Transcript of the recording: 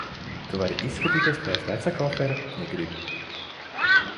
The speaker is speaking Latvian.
Tu vari izskatīties pēc veca kofera, ja gribi.